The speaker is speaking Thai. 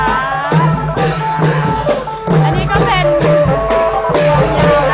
อันนี้ก็เป็นดวงยาวนะ